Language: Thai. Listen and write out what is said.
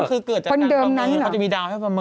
คือเกิดจากวันประเมินเขาจะมีดาวให้ประเมิน